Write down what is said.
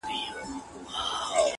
o هر څه منم پر شخصيت باندي تېرى نه منم.